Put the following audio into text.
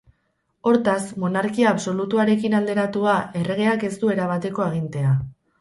Hortaz, monarkia absolutuarekin alderatua, erregeak ez du erabateko agintea.